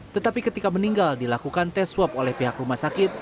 tetapi ketika meninggal dilakukan tes swab oleh pihak rumah sakit